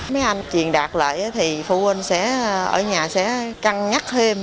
mấy anh truyền đạt lại thì phụ huynh ở nhà sẽ căng nhắc thêm